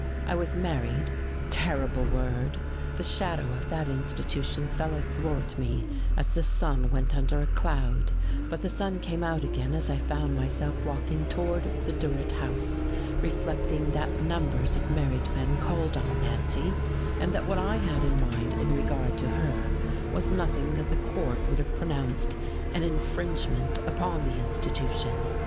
I was married terrible word! the shadow of that Institution fell athwart me as the sun went under a cloud; but the sun came out again as I found myself walking toward the Durrett house reflecting that numbers of married men called on Nancy, and that what I had in mind in regard to her was nothing that the court would have pronounced an infringement upon the Institution....